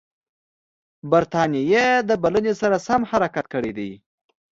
برټانیې د بلنې سره سم حرکت کړی دی.